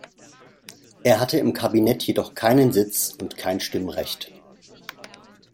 Er hatte im Kabinett jedoch keinen Sitz und kein Stimmrecht.